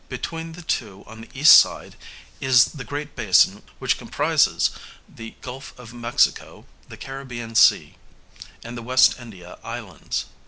Between the two on the east side is the great basin which comprises the Gulf of Mexico, the Caribbean Sea, and the West India Islands.